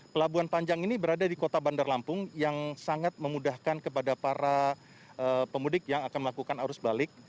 pelabuhan panjang ini berada di kota bandar lampung yang sangat memudahkan kepada para pemudik yang akan melakukan arus balik